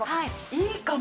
いいかも。